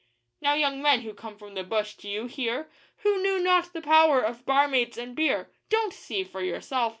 Now, young men who come from the bush, do you hear? Who know not the power of barmaids and beer _Don't see for yourself!